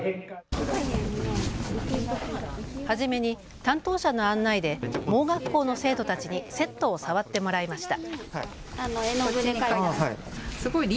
初めに担当者の案内で盲学校の生徒たちにセットを触ってもらいました。